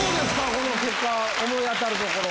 この結果思い当たるところ。